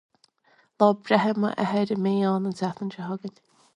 Lá breithe m'athar a bheidh ann an tseachtain seo chugainn.